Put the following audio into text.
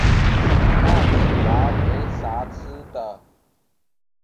看起来没啥吃的